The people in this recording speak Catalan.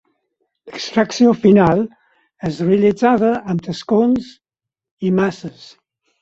L'extracció final es realitzava amb tascons i maces.